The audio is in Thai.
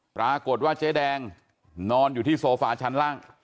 ปรากฏว่าเจ๊แดงนอนอยู่ที่โซฟาชั้นล่าง